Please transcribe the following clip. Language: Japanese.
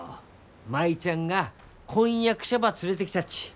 舞ちゃんが婚約者ば連れてきたっち。